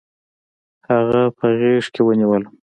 هغه په غېږ کې ونیولم.